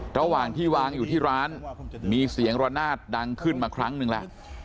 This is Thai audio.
ระหว่างที่วางอยู่ที่ร้านมีเสียงระนาดดังขึ้นมาครั้งหนึ่งแล้ว